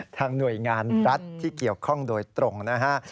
หน่วยงานรัฐที่เกี่ยวข้องโดยตรงนะฮะ